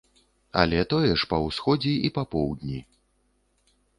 Але тое ж па ўсходзе і па поўдні.